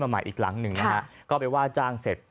ใหม่อีกหลังหนึ่งนะฮะก็ไปว่าจ้างเสร็จ